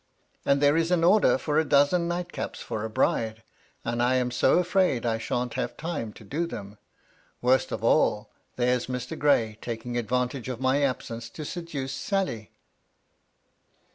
And there is an order for a dozen nightcaps for a bride, and I am so afraid I shan't have time to do them. Worst of all, there's Mr. Gray taking advantage of my absence to seduce Sally !"